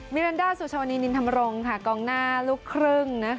รันดาสุชาวนีนินธรรมรงค์กองหน้าลูกครึ่ง